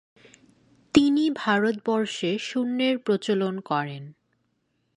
তিনি ভারতবর্ষে শূন্যের প্রচলন করেন।